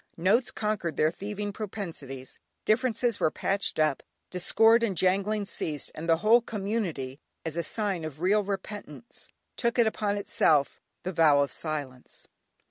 Notes conquered their thieving propensities, differences were patched up, discord and jangling ceased, and the whole community, as a sign of real repentance, took upon itself the vow of silence.